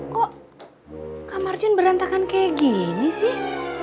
kok kamar jone berantakan kayak gini sih